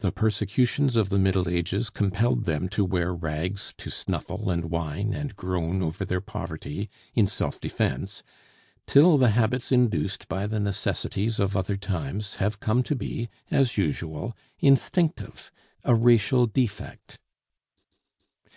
The persecutions of the Middle Ages compelled them to wear rags, to snuffle and whine and groan over their poverty in self defence, till the habits induced by the necessities of other times have come to be, as usual, instinctive, a racial defect.